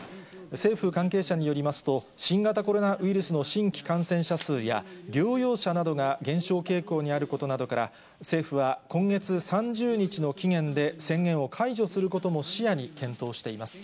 政府関係者によりますと、新型コロナウイルスの新規感染者数や、療養者などが減少傾向にあることなどから、政府は今月３０日の期限で宣言を解除することも視野に検討しています。